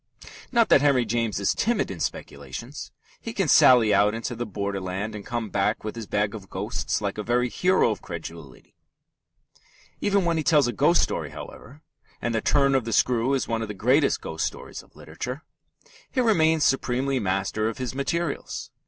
Not that Henry James is timid in speculations. He can sally out into the borderland and come back with his bag of ghosts like a very hero of credulity. Even when he tells a ghost story, however and The Turn of the Screw is one of the great ghost stories of literature he remains supremely master of his materials.